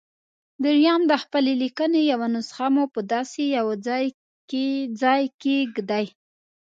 درېيم د خپلې ليکنې يوه نسخه مو په داسې يوه ځای کېږدئ.